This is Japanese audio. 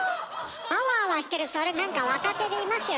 あわあわしてるそれなんか若手でいますよ